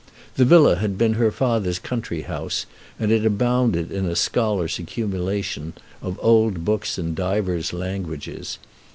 The villa had been her father's country house, and it abounded in a scholar's accumulations of old books in divers languages.